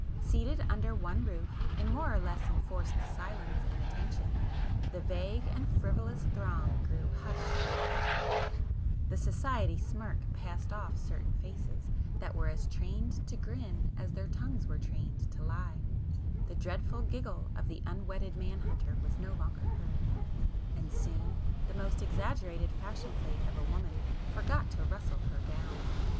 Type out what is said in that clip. Seated under one roof in more or less enforced silence and attention, the vague and frivolous throng grew hushed and passive,—the [p 274] 'society' smirk passed off certain faces that were as trained to grin as their tongues were trained to lie,—the dreadful giggle of the unwedded man hunter was no longer heard,—and soon the most exaggerated fashion plate of a woman forgot to rustle her gown.